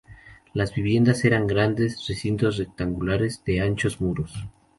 Las viviendas eran grandes recintos rectangulares de anchos muros.